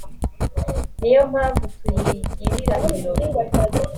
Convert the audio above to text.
ni yo mpamvu tuyigirira ibirori